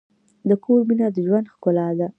د کور مینه د ژوند ښکلا ده.